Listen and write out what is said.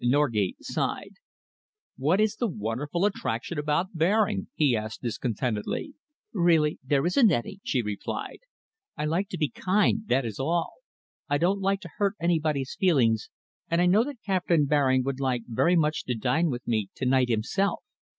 Norgate sighed. "What is the wonderful attraction about Baring?" he asked discontentedly. "Really, there isn't any," she replied. "I like to be kind, that is all. I do not like to hurt anybody's feelings, and I know that Captain Baring would like very much to dine with me to night himself.